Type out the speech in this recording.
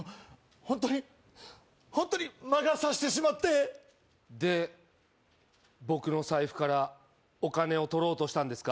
ホントにホントに魔が差してしまってで僕の財布からお金をとろうとしたんですか？